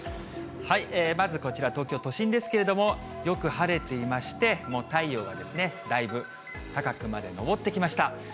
まずこちら、東京都心ですけれども、よく晴れていまして、もう太陽がだいぶ高くまで昇ってきました。